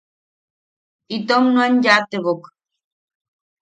Itom nuan yaatebok.